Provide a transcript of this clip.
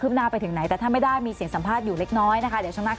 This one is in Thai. ไม่ได้เปลี่ยนเอง